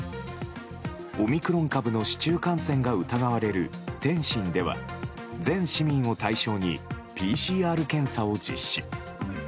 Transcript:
オミクロン株の市中感染が疑われる天津では全市民を対象にＰＣＲ検査を実施。